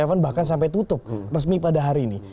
dan akhirnya tujuh sebelas bahkan sampai tutup resmi pada hari ini